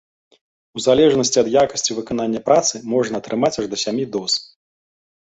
У залежнасці ад якасці выканання працы, можна атрымаць аж да сямі доз.